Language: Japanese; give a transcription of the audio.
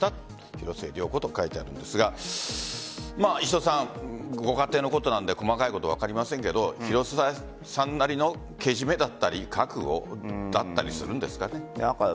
広末涼子と書いてあるんですが石戸さん、ご家庭のことなので細かいことは分かりませんが広末さんなりのけじめだったり覚悟だったりするんですかね。